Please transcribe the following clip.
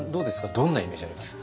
どんなイメージあります？